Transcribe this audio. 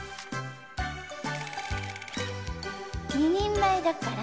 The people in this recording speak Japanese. ２人前だから。